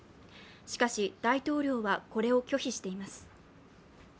しかし大統領はこれを拒否しています。